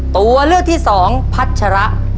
ตัวเลือกที่สองพัชระ